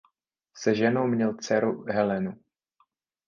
Se ženou měl dceru Helenu.